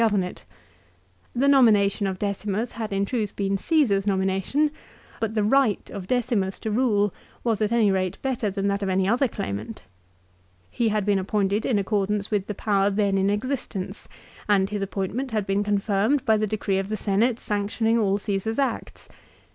64. g 0vern j^ The nomination of Decimus had in truth been Caesar's nomination ; but the right of Decimus to rule was at any rate better than that of any other claimant. He had been appointed in accordance with the power then in exist ence, and his appointment had been confirmed by the decree of the Senate sanctioning all Caesar's acts.